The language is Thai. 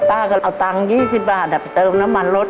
ป้าก็เอาตังค์๒๐บาทไปเติมน้ำมันรถ